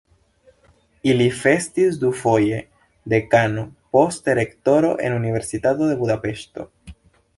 Li estis dufoje dekano, poste rektoro en Universitato de Budapeŝto.